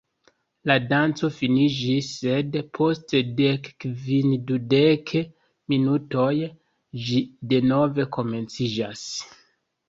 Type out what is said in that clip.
La danco finiĝis, sed post dekkvin-dudek minutoj ĝi denove komenciĝas.